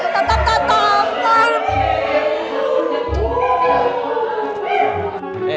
tetap tetap tetap